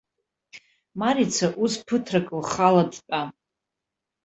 Марица ус ԥыҭрак лхала дтәан.